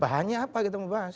bahannya apa kita mau bahas